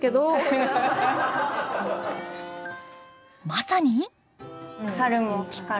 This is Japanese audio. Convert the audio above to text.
まさに。